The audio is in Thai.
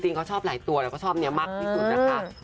จริงเขาชอบหลายตัวและเขาชอบนี้มากที่สุด